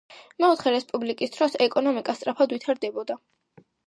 მეოთხე რესპუბლიკის დროს ეკონომიკა სწრაფად ვითარდებოდა.